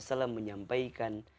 nabi saw menyampaikan